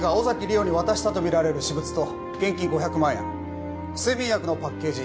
桜に渡したとみられる私物と現金５００万円睡眠薬のパッケージ